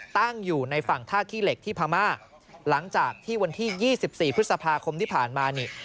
ตั้งอยู่ในฝั่งท่าขี้เหล็กที่พม่าหลังจากที่วันที่๒๔พฤษภาคมที่ผ่านมานี่